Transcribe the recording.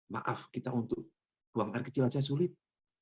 maaf kita untuk buang air kecil saja sulit